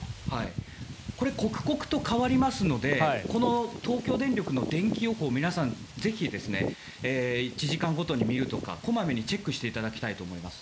これ、刻々と変わりますので東京電力のでんき予報を皆さんぜひ１時間ごとに見るとか小まめにチェックしていただきたいと思います。